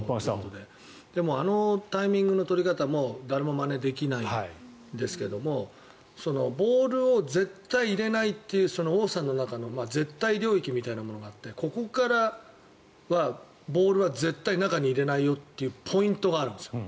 でも、あのタイミングの取り方も誰もまねできないですけどボールを絶対に入れないという王さんの中の絶対領域みたいなものがあってここからはボールは絶対に中に入れないよというポイントがあるんですよ。